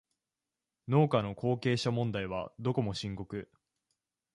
農家の後継者問題はどこも深刻